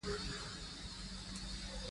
سمندر نه شتون د افغانستان د شنو سیمو ښکلا ده.